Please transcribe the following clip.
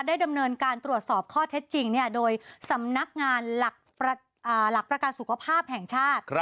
ดำเนินการตรวจสอบข้อเท็จจริงโดยสำนักงานหลักประกันสุขภาพแห่งชาติ